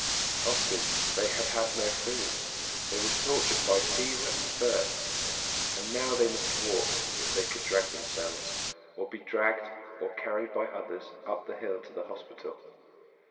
Often they had had no food; they were tortured by fever and thirst; and now they must walk, if they could drag themselves, or be dragged or carried by others up the hill to the hospital.